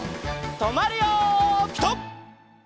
とまるよピタ！